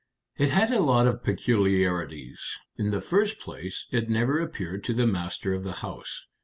"It had a lot of peculiarities. In the first place, it never appeared to the master of the house.